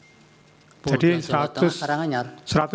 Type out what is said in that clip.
polda jawa tengah karanganyar